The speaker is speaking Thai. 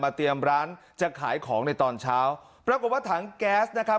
เตรียมร้านจะขายของในตอนเช้าปรากฏว่าถังแก๊สนะครับ